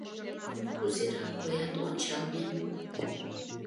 — Кузерак коят, ончалнем.